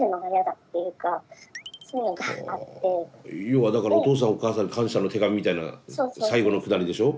要はだからお父さんお母さんに感謝の手紙みたいな最後のくだりでしょ？